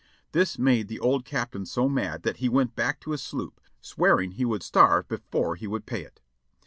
This made the old Captain so mad that he went back to his sloop, swearing he would starve before he would pay it.